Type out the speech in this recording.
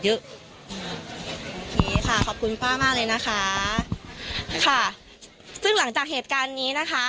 นี่ค่ะขอบคุณป้ามากเลยนะคะค่ะซึ่งหลังจากเหตุการณ์นี้นะคะ